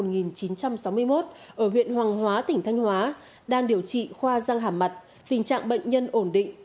ở huyện hoàng hóa tỉnh thanh hóa đang điều trị khoa răng hàm mặt tình trạng bệnh nhân ổn định